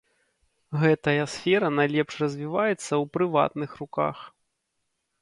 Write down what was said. Гэтая сфера найлепш развіваецца ў прыватных руках.